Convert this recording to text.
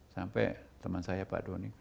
sampai teman saya pak doni